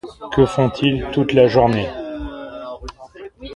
Que font-ils toute la journée ?